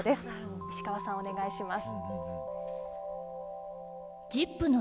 石川さん、お願いします。